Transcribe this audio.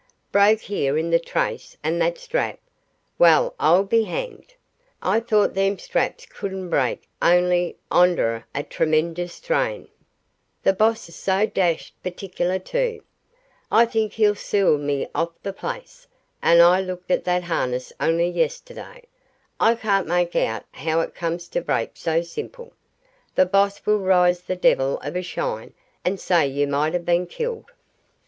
Broke here in the trace, and that strap! Well, I'll be hanged! I thought them straps couldn't break only onder a tremenjous strain. The boss is so dashed partickler too. I believe he'll sool me off the place; and I looked at that harness only yesterday. I can't make out how it come to break so simple. The boss will rise the devil of a shine, and say you might have been killed."